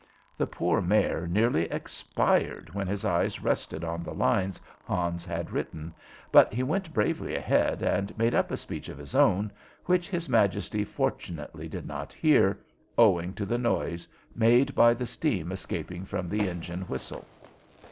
The poor Mayor nearly expired when his eyes rested on the lines Hans had written; but he went bravely ahead and made up a speech of his own, which his Majesty fortunately did not hear, owing to the noise made by the steam escaping from the engine whistle.